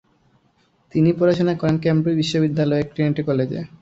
তিনি পড়াশোনা করে কেমব্রিজ বিশ্ববিদ্যালয়ের ট্রিনিটি কলেজে।